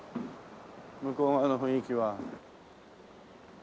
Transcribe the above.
向こう側の雰囲気は。